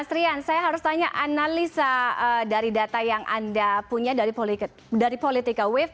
mas rian saya harus tanya analisa dari data yang anda punya dari politika wave